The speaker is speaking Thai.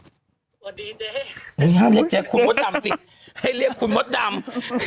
สวัสดีเจ๊หนูห้ามเรียกแจ๊คุณมดดำสิให้เรียกคุณมดดำ